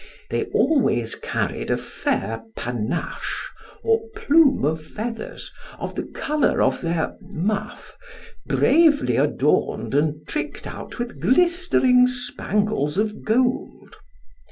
They always carried a fair panache, or plume of feathers, of the colour of their muff, bravely adorned and tricked out with glistering spangles of gold.